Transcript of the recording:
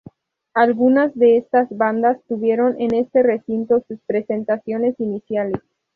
Algunas de estas bandas tuvieron en este recinto sus presentaciones iniciales.